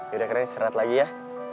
yaudah keren siarat lagi ya